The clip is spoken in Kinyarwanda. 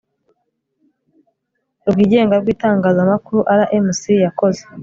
rwigenga rw itangazamakuru rmc yakoze